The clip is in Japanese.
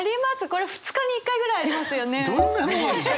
これ２日に一回ぐらいありますよね？